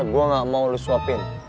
gue gak mau lo suapin